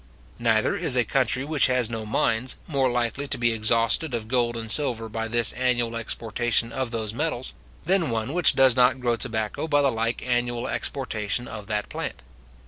Neither is a country which has no mines, more likely to be exhausted of gold and silver by this annual exportation of those metals, than one which does not grow tobacco by the like annual exportation of that plant.